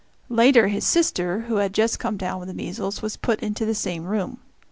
Later his sister, who had just come down with the measles, was put into the same room.